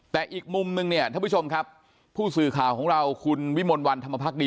แต่อีกมุมนึงเนี่ยท่านผู้ชมครับผู้สื่อข่าวของเราคุณวิมลวันธรรมพักดี